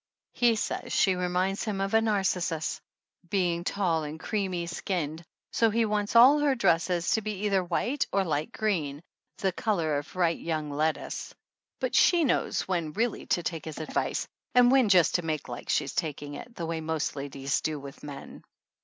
He says she reminds him of a narcissus, being tall and creamy skinned, so he wants all 120 THE ANNALS OF ANN her dresses to be either white or light green, the color of right young lettuce. But she knows when really to take his advice and when just to make like she's taking it, the way most ladies do with men.